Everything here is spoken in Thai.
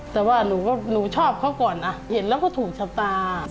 แต่ว่าหนูชอบเขาก่อนนะเห็นแล้วก็ถูกชะตา